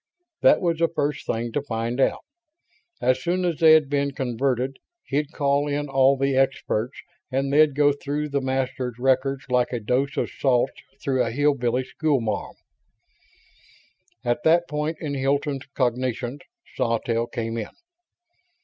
That was the first thing to find out. As soon as they'd been converted he'd call in all the experts and they'd go through the Masters' records like a dose of salts through a hillbilly schoolma'am. At that point in Hilton's cogitations Sawtelle came in.